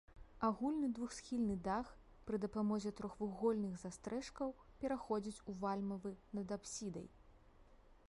Агульны двухсхільны дах пры дапамозе трохвугольных застрэшкаў пераходзіць у вальмавы над апсідай.